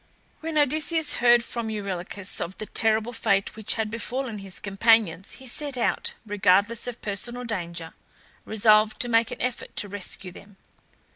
When Odysseus heard from Eurylochus of the terrible fate which had befallen his companions he set out, regardless of personal danger, resolved to make an effort to rescue them.